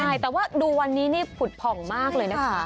ใช่แต่ว่าดูวันนี้นี่ผุดผ่องมากเลยนะคะ